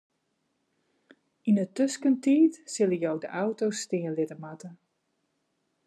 Yn 'e tuskentiid sille jo de auto stean litte moatte.